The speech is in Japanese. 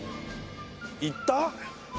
行った？